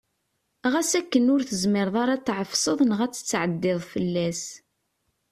Ɣas akken ur tezmireḍ ara ad t-tɛefseḍ neɣ ad t-ttɛeddiḍ fell-as.